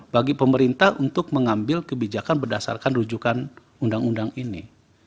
bagi pemerintah untuk mengambil kebijakan berdasarkan rujukan undang undang ini